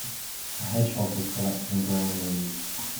A hedgehog was collecting brown leaves.